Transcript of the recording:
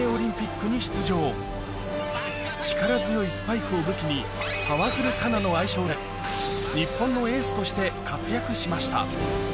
力強いスパイクを武器にパワフルカナの愛称で日本のエースとして活躍しました